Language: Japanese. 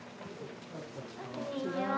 こんにちは。